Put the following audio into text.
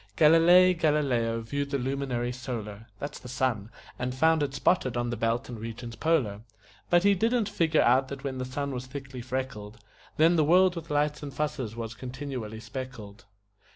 Galilei Galileo viewed the luminary solar (That's the sun) and found it spotted on the belt and regions polar; But he didn't figure out that when the sun was thickly freckled Then the world with lights and fusses was continually speckled.